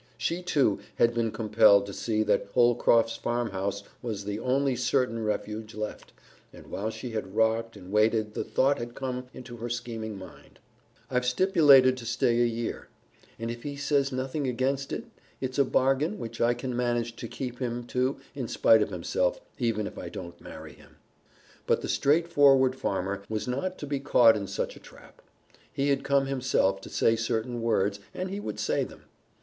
She, too, had been compelled to see that Holcroft's farmhouse was the only certain refuge left, and while she had rocked and waited the thought had come into her scheming mind, "I've stipulated to stay a year, and if he says nothing against it, it's a bargain which I can manage to keep him to in spite of himself, even if I don't marry him." But the straightforward farmer was not to be caught in such a trap. He had come himself to say certain words and he would say them.